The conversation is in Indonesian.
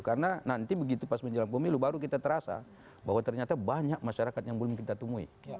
karena nanti begitu pas menjelang pemilu baru kita terasa bahwa ternyata banyak masyarakat yang belum kita tumui